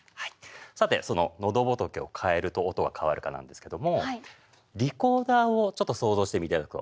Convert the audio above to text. さてそののどぼとけを変えると音が変わるかなんですけどもリコーダーをちょっと想像していただくと。